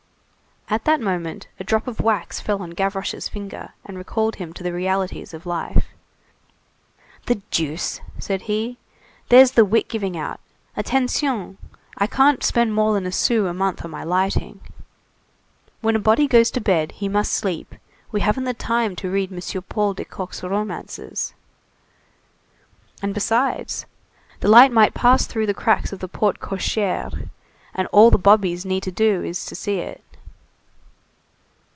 At that moment a drop of wax fell on Gavroche's finger, and recalled him to the realities of life. "The deuce!" said he, "there's the wick giving out. Attention! I can't spend more than a sou a month on my lighting. When a body goes to bed, he must sleep. We haven't the time to read M. Paul de Kock's romances. And besides, the light might pass through the cracks of the porte cochère, and all the bobbies need to do is to see it."